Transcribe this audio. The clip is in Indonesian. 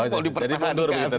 jadi mundur begitu